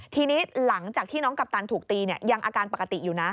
ทีนี้หลังจากที่น้องกัปตันถูกตียังอาการปกติอยู่นะ